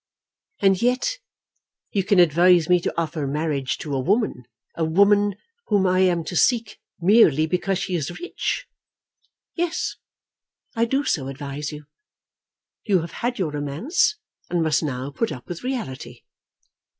"And yet you can advise me to offer marriage to a woman, a woman whom I am to seek merely because she is rich?" "Yes; I do so advise you. You have had your romance and must now put up with reality.